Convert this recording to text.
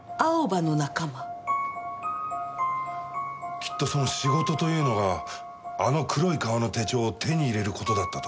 きっとその「仕事」というのがあの黒い革の手帳を手に入れる事だったと？